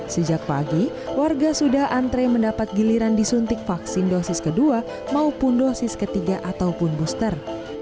sejak pagi warga sudah antre mendapat giliran disuntik vaksin dosis kedua maupun dosis ketiga ataupun booster